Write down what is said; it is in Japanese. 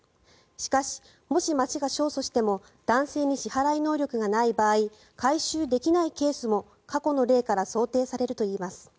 しかし、もし町が勝訴しても男性に支払い能力がない場合回収できないケースも過去の例から想定されるといいます。